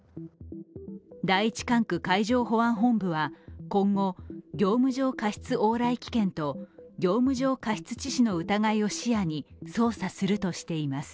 第一管区海上保安本部は今後、業務上過失往来危険と業務上過失致死の疑いを視野に捜査するとしています。